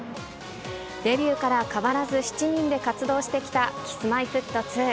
デビューから変わらず７人で活動してきたＫｉｓ−Ｍｙ−Ｆｔ２。